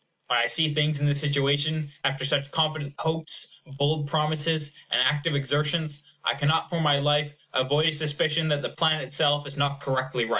When I see things in this situation after such confident hopes, bold promises, and active exertions, I cannot, for my life, avoid a suspicion that the plan itself is not correctly right.